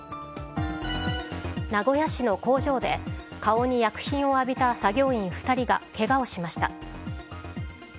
名古屋市の工場で顔に薬品を浴びた作業員２人がけがをしました。